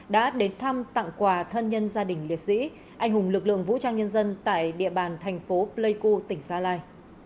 đã đến thăm tặng quà thân nhân gia đình liệt sĩ anh hùng lực lượng vũ trang nhân dân tại địa bàn thành phố pleiku tỉnh gia lai